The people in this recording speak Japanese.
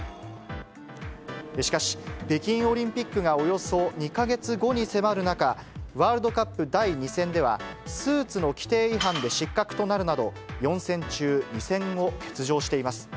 しかし、北京オリンピックがおよそ２か月後に迫る中、ワールドカップ第２戦では、スーツの規定違反で失格となるなど、４戦中２戦を欠場しています。